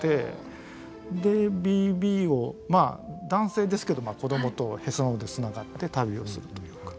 でＢＢをまあ男性ですけど子どもとへその緒で繋がって旅をするというか。